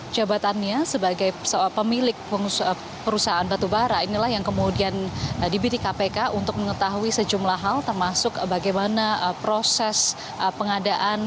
jabatannya sebagai pemilik perusahaan batubara inilah yang kemudian dibidik kpk untuk mengetahui sejumlah hal termasuk bagaimana proses pengadaan